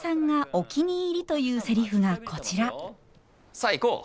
さあ行こう！